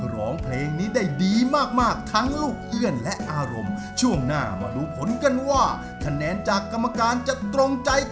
ร้องเพลงนี้ได้ดีมากทั้งลูกเอื้อนและอารมณ์